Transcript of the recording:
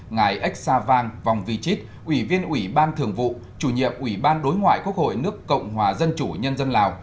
ngài xa vang vong vy chít ủy viên ủy ban thường vụ chủ nhiệm ủy ban đối ngoại quốc hội nước cộng hòa dân chủ nhân dân lào